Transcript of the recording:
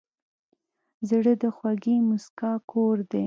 زړه د خوږې موسکا کور دی.